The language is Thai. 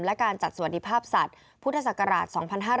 และการจัดสวัสดิภาพสัตว์พุทธศักราช๒๕๕๙